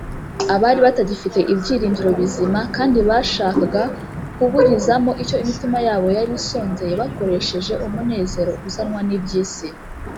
abari batagifite ibyiringiro bizima kandi bashakaga kuburizamo icyo imitima yabo yari isonzeye bakoresheje umunezero uzanwa n’iby’isi,